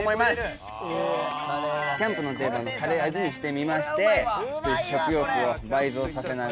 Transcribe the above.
キャンプの定番のカレー味にしてみましてちょっと食欲を倍増させながら。